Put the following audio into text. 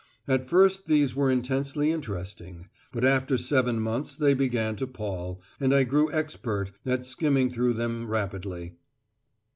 At first these were intensely interesting, but after seven months they began to pall, and I grew expert at skimming through them rapidly.